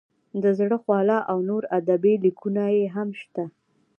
د زړه خواله او نور ادبي لیکونه یې هم شته.